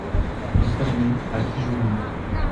Un fermier , à pigeonnier.